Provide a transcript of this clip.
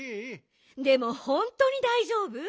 でもほんとにだいじょうぶ？